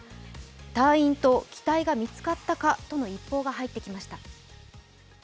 隊員と機体が見つかったかとの一報が入ってきました。